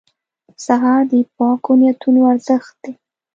سهار د پاکو نیتونو ارزښت دی.